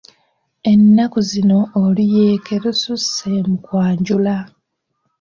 Ennaku zino oluyeeke lususse mu kwanjula.